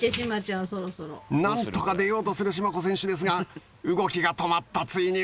なんとか出ようとする縞子選手ですが動きが止まったついに動きが止まった！